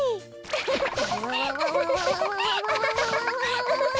ウフフフ。